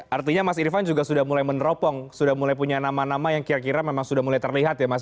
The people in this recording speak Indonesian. artinya mas irvan juga sudah mulai meneropong sudah mulai punya nama nama yang kira kira memang sudah mulai terlihat ya mas